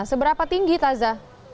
seberapa tinggi taza